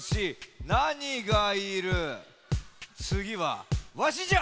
つぎはわしじゃ！